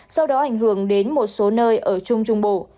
sau đó ảnh hưởng đến một số nơi ở trung trung bộ